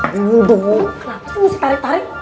kenapa sih lu tarik tarik